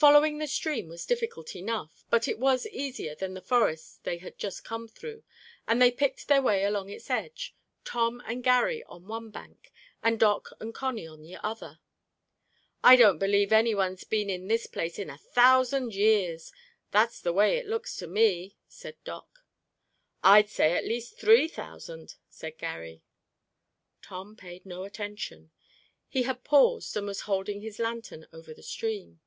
Following the stream was difficult enough, but it was easier than the forest they had just come through and they picked their way along its edge, Tom and Garry on one bank and Doc and Connie on the other. "I don't believe anyone's been in this place in a thousand years; that's the way it looks to me," said Doc. "I'd say at least three thousand," said Garry. Tom paid no attention. He had paused and was holding his lantern over the stream.